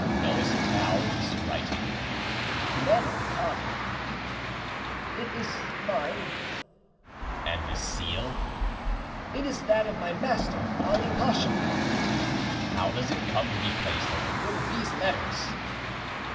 "Knowest thou this writing?" demanded the cadi.—"It is mine."—"And this seal?"—"It is that of my master, Ali Pacha."—"How does it come to be placed at the foot of these letters?"